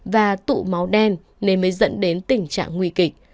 và tụ máu đen nên mới dẫn đến tình trạng nguy kịch